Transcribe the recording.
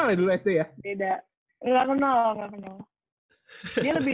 dia lebih dulu main bucket bapak